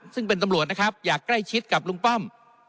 ซึ่งเป็นตำรวจนะครับอยากใกล้ชิดกับลุงป้อม